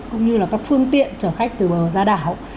cũng như là các phương tiện chở khách từ bờ ra đảo